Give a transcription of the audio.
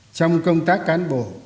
trong công tác cán bộ